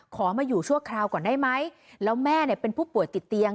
ขอมาอยู่ชั่วคราวก่อนได้ไหมแล้วแม่เนี่ยเป็นผู้ป่วยติดเตียง